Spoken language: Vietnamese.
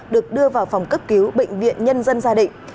được đưa vào phòng cấp cứu bệnh viện nhân dân gia định